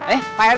eh pak rete